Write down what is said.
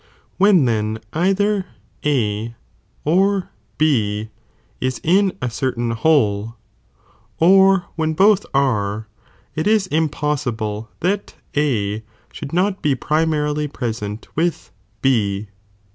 When then either A or B is in a certiiiii whole,|| or when both are, it is impos dble that A should not bo primarily present with J.jjlf'f ^"J' B.